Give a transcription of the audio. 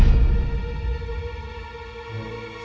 mbak ibu mau aku jadi anak baik